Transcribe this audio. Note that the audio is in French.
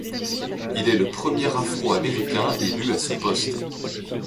Il est le premier Afro-Américain élu à ce poste.